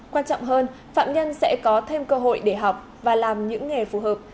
quan trọng hơn phạm nhân sẽ có thêm cơ hội để học và làm những nghề phù hợp